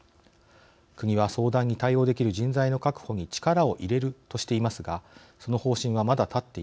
国は相談に対応できる人材の確保に力を入れるとしていますがその方針はまだたっていません。